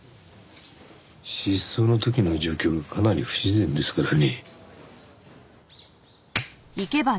失踪の時の状況がかなり不自然ですからね。